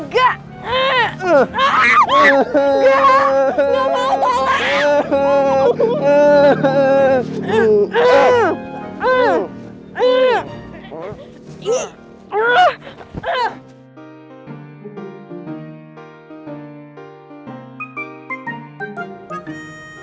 gak mau tolong